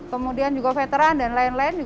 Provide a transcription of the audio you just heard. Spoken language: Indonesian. kemudian juga veteran dan lain lain